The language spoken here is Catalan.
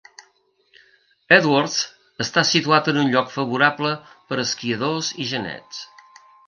Edwards està situat en un lloc favorable per esquiadors i genets.